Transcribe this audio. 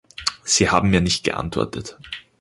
Sie haben mir nicht geantwortet.